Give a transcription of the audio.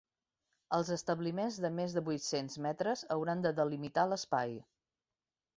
Els establiments de més de vuit-cents metres hauran de delimitar l’espai.